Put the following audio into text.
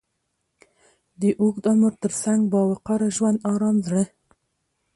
د اوږد عمر تر څنګ، با وقاره ژوند، ارام زړه،